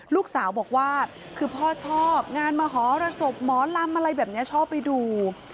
ลูกสาวบอกว่าคือพ่อชอบงานมหรสบหมอลำอะไรแบบนี้ชอบไปดู